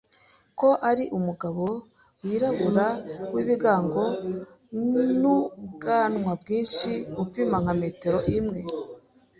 ko ari umugabo wirabura w’ibigango n’ubwanwa bwinshi upima nka metero imwe